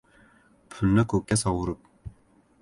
pulni ko'kka sovurib...